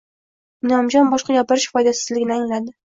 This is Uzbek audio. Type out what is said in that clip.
Inomjon boshqa gapirish foydasizligini angladi